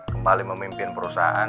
kembali memimpin perusahaan